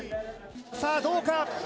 さあ、どうか？